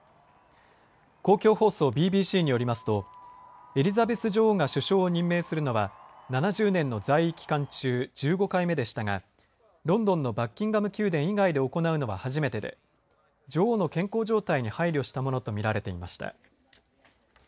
公共放送ＢＢＣによりますとエリザベス女王が首相を任命するのは７０年の在位期間中１５回目でしたがロンドンのバッキンガム宮殿以外で行うのは初めてで女王の健康状態に配慮したものとみられていました。